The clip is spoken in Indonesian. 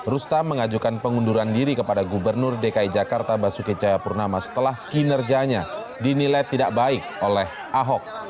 rustam mengajukan pengunduran diri kepada gubernur dki jakarta basuki cahayapurnama setelah kinerjanya dinilai tidak baik oleh ahok